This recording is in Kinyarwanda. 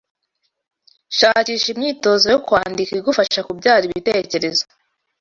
shakisha imyitozo yo kwandika igufasha kubyara ibitekerezo